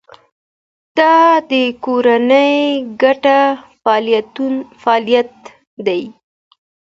دا د کورنۍ ګډ فعالیت دی.